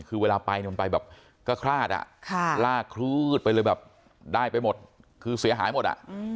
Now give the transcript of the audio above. คือเวลาไปมันไปแบบก็คลาดลากคลืดไปเลยแบบได้ไปหมดคือเสียหายหมดอ่ะ